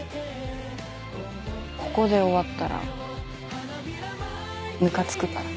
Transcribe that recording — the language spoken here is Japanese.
ここで終わったらムカつくから。